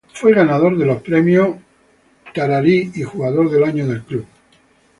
Fue ganador de los premios Golden Boot y Jugador del Año del Club.